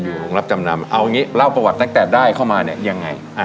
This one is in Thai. โรงรับจำนำเอางี้เล่าประวัติตั้งแต่ได้เข้ามาเนี่ยยังไง